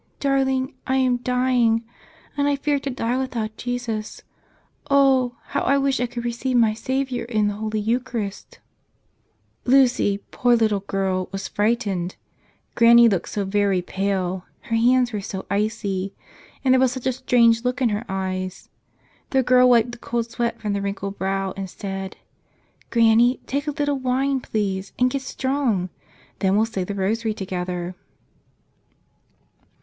Darling, I am dying, and I fear to die without Jesus. Oh, how I wish I could receive my Savior in the Holy Eucharist !" Lucy — poor little girl !— was frightened. Granny looked so very pale ; her hands were so icy. And there was such a strange look in her eyes. The girl wiped the cold sweat from the wrinkled brow and said, "Granny, take a little wine, please, and get strong. Then we'll say the rosary together."